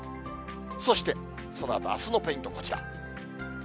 そして、そのあとあすのポイント、こちら。